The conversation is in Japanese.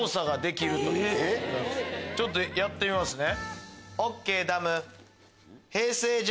ちょっとやってみますね。